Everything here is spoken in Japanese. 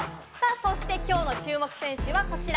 そして、きょうの注目選手はこちら。